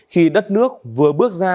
khi đất nước vừa bước ra